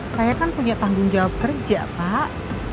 saya kan punya tanggung jawab kerja pak